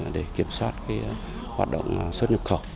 để kiểm soát hoạt động xuất nhập khẩu